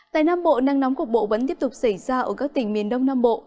tại nam bộ nắng nóng cục bộ vẫn tiếp tục xảy ra ở các tỉnh miền đông nam bộ